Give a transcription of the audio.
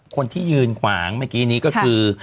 คนที่ยืนขวางเมื่อกี้นี้ก็คือ